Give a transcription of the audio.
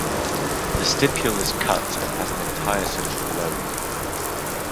The stipule is cut and has an entire central lobe.